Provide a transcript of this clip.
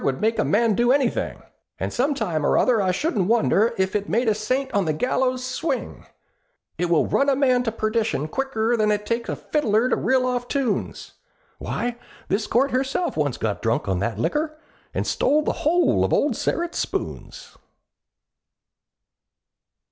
Would make a man do anything, And some time or other, I shouldn't wonder If it made a saint on the gallows swing; It will run a man to perdition quicker Than it takes a fiddler to reel off tunes; Why, this Court herself once got drunk on that liquor, And stole the whole of old Sterret's spoons!"